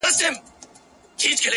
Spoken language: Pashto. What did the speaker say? خو دې زما د مرگ د اوازې پر بنسټ ـ